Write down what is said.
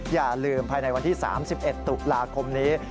อย่าลืมภายในวันที่๓๑ตุลาคมนี้